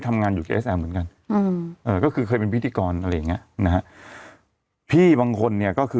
ทำงานครบ๒๐ปีได้เงินชดเฉยเลิกจ้างไม่น้อยกว่า๔๐๐วัน